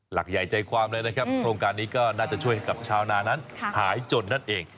หลักใหญ่ใจความเลยนะครับโครงการนี้ก็น่าจะช่วยให้กับชาวนานั้นหายจนนั่นเอง